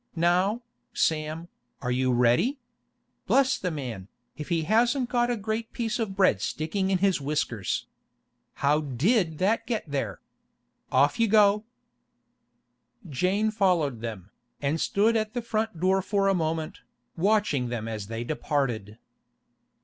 Now, Sam, are you ready? Bless the man, if he hasn't got a great piece of bread sticking in his whiskers! How did it get there? Off you go!' Jane followed them, and stood at the front door for a moment, watching them as they departed.